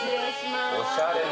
おしゃれな。